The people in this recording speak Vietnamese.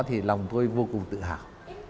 thì lòng tôi vô cùng tự hào